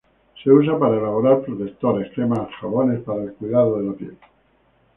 Se usa para elaborar protectores, cremas jabones para el cuidado de la piel.